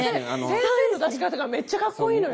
先生の出し方がめっちゃかっこいいのよ。